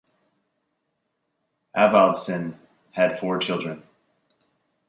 Avildsen had four children.